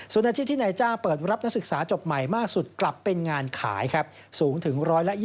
ส่วนอาชีพที่นายจ้างเปิดรับนักศึกษาจบใหม่มากสุดกลับเป็นงานขายครับสูงถึง๑๒๐